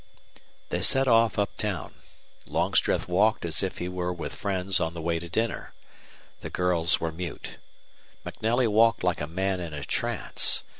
They set off up town. Longstreth walked as if he were with friends on the way to dinner. The girls were mute. MacNelly walked like a man in a trance.